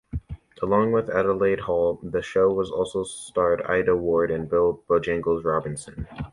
Along with Adelaide Hall, the show also starred Aida Ward and Bill "Bojangles" Robinson.